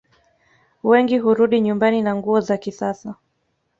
Wengi hurudi nyumbani na nguo za kisasa